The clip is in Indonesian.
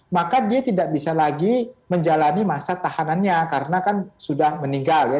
maka dia tidak bisa lagi menjalani masa tahanannya karena kan sudah meninggal ya